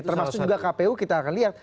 termasuk juga kpu kita akan lihat